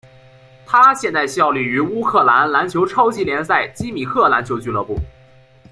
他现在效力于乌克兰篮球超级联赛基米克篮球俱乐部。